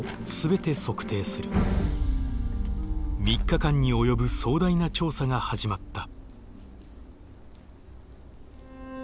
３日間に及ぶ壮大な調査が始まった。